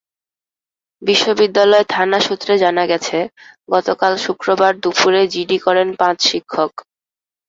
বিশ্ববিদ্যালয় থানা সূত্রে জানা গেছে, গতকাল শুক্রবার দুপুরে জিডি করেন পাঁচ শিক্ষক।